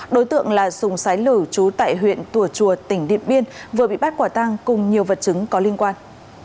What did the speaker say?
đối tượng là sùng sái lửu trú tại huyện tùa chùa tỉnh điện biên vừa bị bắt quả tang cùng nhiều vật chứng có liên quan